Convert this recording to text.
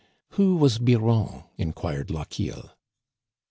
"" Who was Biron ?" inquired Lochiel.